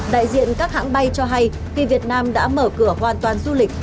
đại diện các hãng bay cho hay khi việt nam đã mở cửa hoàn toàn du lịch